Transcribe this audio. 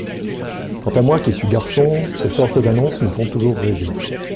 Quant à moi, qui suis garçon, ces sortes d’annonces me font toujours rêver…